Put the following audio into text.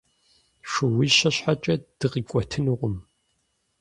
Шууищэ щхьэкӀэ дыкъикӀуэтынукъым.